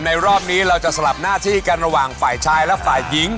รอบนี้เราจะสลับหน้าที่กันระหว่างฝ่ายชายและฝ่ายหญิง